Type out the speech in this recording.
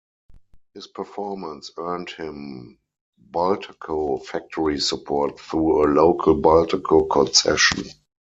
His performance earned him Bultaco factory support through a local Bultaco concession.